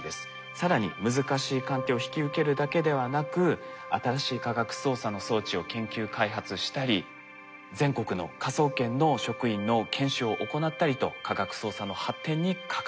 更に難しい鑑定を引き受けるだけではなく新しい科学捜査の装置を研究開発したり全国の科捜研の職員の研修を行ったりと科学捜査の発展に欠かせない存在なんです。